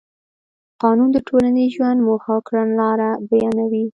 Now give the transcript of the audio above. قانون د ټولنیز ژوند موخه او کړنلاره بیانوي.